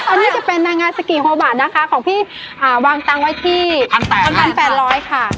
ตอนนี้จะเป็นนางงามสกิโฮบาทนะคะของพี่วางตังค์ไว้ที่๑๘๐๐ค่ะ